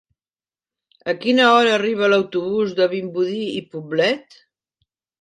A quina hora arriba l'autobús de Vimbodí i Poblet?